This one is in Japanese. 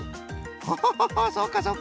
オホホホそうかそうか！